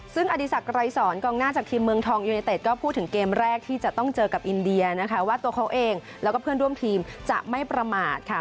ซึ่งอดีศักดรายสอนกองหน้าจากทีมเมืองทองยูเนเต็ดก็พูดถึงเกมแรกที่จะต้องเจอกับอินเดียนะคะว่าตัวเขาเองแล้วก็เพื่อนร่วมทีมจะไม่ประมาทค่ะ